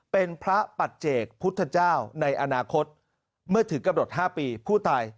เป็นพระปัจเจกพุทธเจ้าในอนาคตเมื่อถึงกำหนด๕ปีผู้ตาย